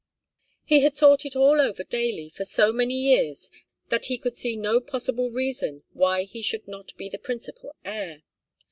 He had thought it all over daily for so many years, that he could see no possible reason why he should not be the principal heir.